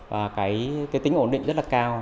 và tính ổn định rất là cao